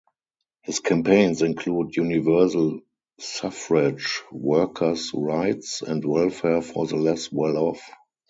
His campaigns include universal suffrage, workers' rights and welfare for the less well off.